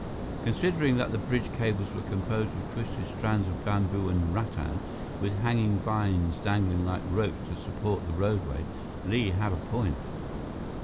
Considering that the bridge's cables were composed of twisted strands of bamboo and rattan, with hanging vines dangling like ropes to support the roadway, Li had a point.